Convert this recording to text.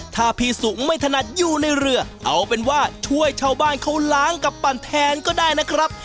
ถ้าพี่สุไม่ถนัดอยู่ในเรือเอาเป็นว่าช่วยชาวบ้านเขาล้างกับปั่นแทนก็ได้นะครับ